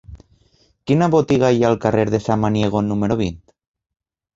Quina botiga hi ha al carrer de Samaniego número vint?